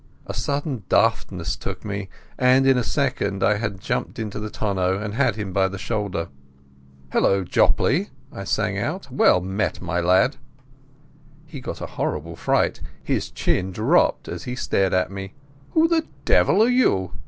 A sudden daftness took me, and in a second I had jumped into the tonneau and had him by the shoulder. "Hullo, Jopley," I sang out. "Well met, my lad!" He got a horrid fright. His chin dropped as he stared at me. "Who the devil are you?"